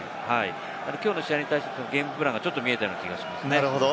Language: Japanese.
きょうの試合に対して、ゲームプランが見えたような気がします。